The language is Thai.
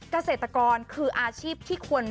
เกษตรกรคืออาชีพที่ควร